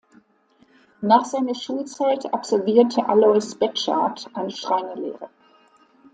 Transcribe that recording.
Nach seiner Schulzeit absolvierte Alois Betschart eine Schreinerlehre.